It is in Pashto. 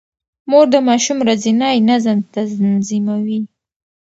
مور د ماشوم ورځنی نظم تنظيموي.